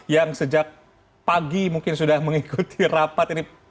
yang sejak pagi mungkin sudah mengikuti rapat ini